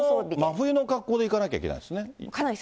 真冬の格好で行かなきゃいけないですね。